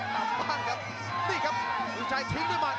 น้ำบ้านครับนี่ครับสินชัยทิ้งด้วยมัน